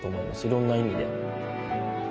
いろんな意味で。